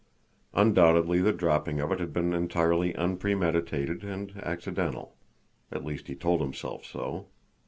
Undoubtedly the dropping of it had been entirely unpremeditated and accidental. At least he told himself so.